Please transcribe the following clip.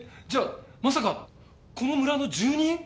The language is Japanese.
じゃあまさかこの村の住人？